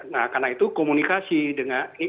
nah karena itu komunikasi dengan